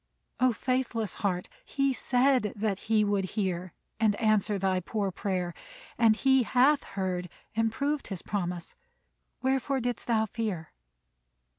O faithless heart! He said that he would hear And answer thy poor prayer, and he hath heard And proved his promise. Wherefore didst thou fear?